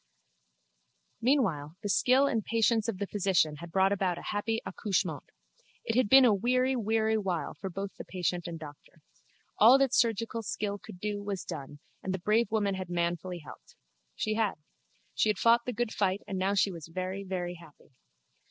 Meanwhile the skill and patience of the physician had brought about a happy accouchement. It had been a weary weary while both for patient and doctor. All that surgical skill could do was done and the brave woman had manfully helped. She had. She had fought the good fight and now she was very very happy.